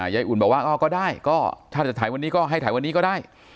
ยายอุ่นบอกว่าก็ได้ก็ถ้าจะถ่ายวันนี้ก็ให้ถ่ายวันนี้ก็ได้